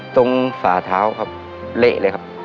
ฝาเท้าครับเละเลยครับ